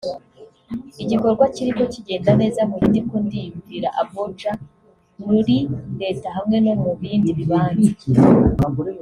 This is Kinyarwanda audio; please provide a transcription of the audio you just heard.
Igikorwa kiriko kigenda neza mu gihe ndiko ndiyumvira aboja muri reta hamwe no mu bindi bibanza